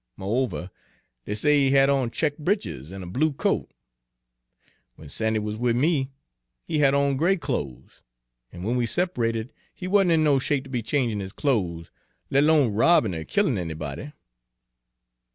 Mo'over, dey say he had on check' britches an' a blue coat. When Sandy wuz wid me he had on gray clo's, an' when we sep'rated he wa'n't in no shape ter be changin' his clo's, let 'lone robbin' er killin' anybody."